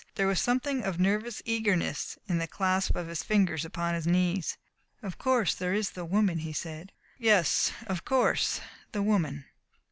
There was something of nervous eagerness in the clasp of his fingers upon his knees. "Of course, there is the woman," he said. "Yes of course the woman."